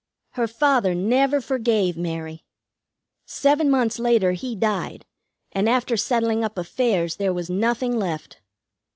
"Her father never forgave Mary. Seven months later he died, and after settling up affairs there was nothing left.